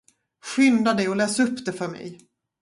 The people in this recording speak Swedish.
Skynda dig och läs upp det för mig!